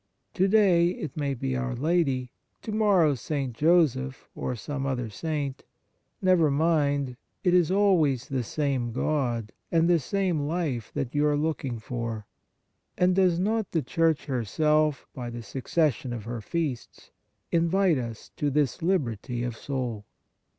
To day it may be our Lady, to morrow St. Joseph or some other Saint ; never mind, it is always the same God and the same life that you are looking for. And does not the Church herself, by the succession of her feasts, invite us to this liberty of soul